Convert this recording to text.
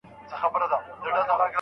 د پدیدې بې تعصبه تحلیل ته څېړنه وایي.